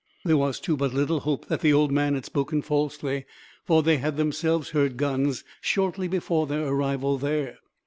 There was, too, but little hope that the old man had spoken falsely, for they had themselves heard guns, shortly before their arrival there.